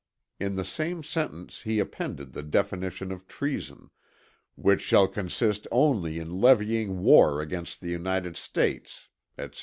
In the same sentence he appended the definition of treason, "which shall consist only in levying war against the United States" etc.